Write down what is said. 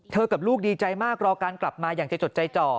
กับลูกดีใจมากรอการกลับมาอย่างใจจดใจจ่อ